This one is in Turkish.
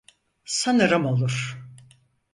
Sanırım olur.